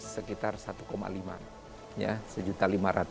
sekitar rp satu lima juta